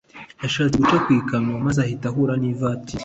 yashatse guca ku ikamyo maze ihita ihura n’ivatiri